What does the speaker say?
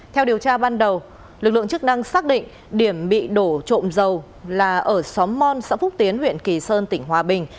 theo điều tra ban đầu lực lượng chức năng xác định điểm bị đổ trộm dầu là ở xóm mon xã phúc tiến huyện kỳ sơn tỉnh hòa bình